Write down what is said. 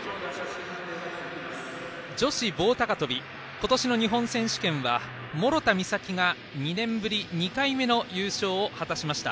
女子棒高跳び今年の日本選手権は諸田実咲が２年ぶり２回目の優勝を果たしました。